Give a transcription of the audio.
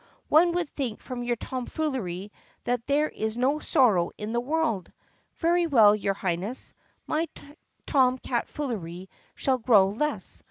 One would think from your tomfoolery that there is no sorrow in the world." "Very well, your Highness, my tomcatfoolery shall grow less.